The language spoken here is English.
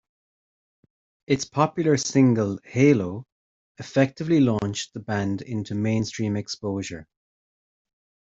It's popular single, "Halo", effectively launched the band into mainstream exposure.